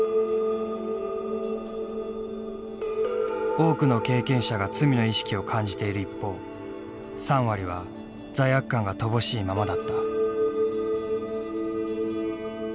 多くの経験者が罪の意識を感じている一方３割は罪悪感が乏しいままだった。